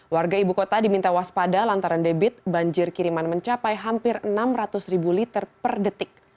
warga ibu kota diminta waspada lantaran debit banjir kiriman mencapai hampir enam ratus ribu liter per detik